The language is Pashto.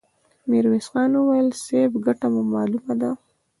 ميرويس خان وويل: صيب! ګټه مو مالومه ده!